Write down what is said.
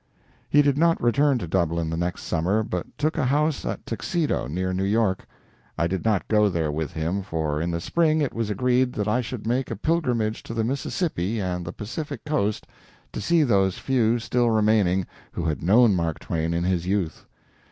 He did not return to Dublin the next summer, but took a house at Tuxedo, nearer New York. I did not go there with him, for in the spring it was agreed that I should make a pilgrimage to the Mississippi and the Pacific coast to see those few still remaining who had known Mark Twain in his youth.